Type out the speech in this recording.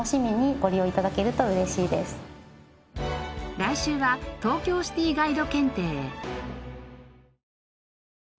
来週は東京シティガイド検定。